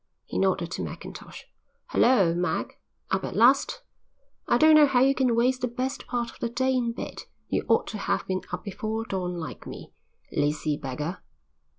He nodded to Mackintosh. "Hulloa, Mac; up at last? I don't know how you can waste the best part of the day in bed. You ought to have been up before dawn like me. Lazy beggar."